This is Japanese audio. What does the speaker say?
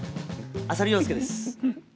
浅利陽介です。